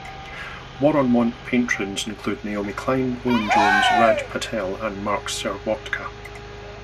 War on Want patrons include Naomi Klein, Owen Jones, Raj Patel and Mark Serwotka.